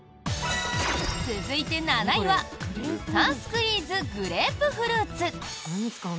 続いて、７位はサンスクイーズグレープフルーツ。